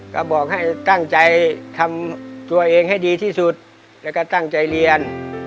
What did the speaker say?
ก็บอกให้ตั้งใจทำตัวเองให้ดีที่สุดแล้วก็ตั้งใจเรียน